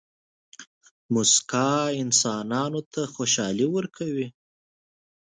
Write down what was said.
موسکا انسانانو ته خوشحالي ورکوي.